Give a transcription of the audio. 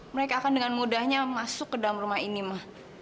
mereka akan dengan mudahnya masuk ke dalam rumah ini mah